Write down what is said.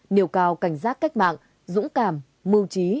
nêu cao cảnh giác cách mạng dũng cảm mưu trí